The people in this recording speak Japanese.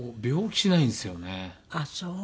ああそう。